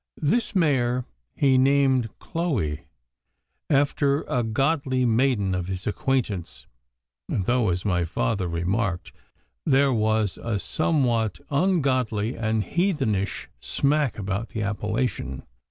This mare he named Chloe, 'after a godly maiden of his acquaintance,' though, as my father remarked, there was a somewhat ungodly and heathenish smack about the appellation.